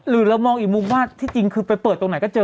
หรือเรามองอีกมุมว่าที่จริงคือไปเปิดตรงไหนก็เจอ